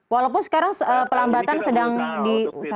walaupun sekarang pelambatan sedang di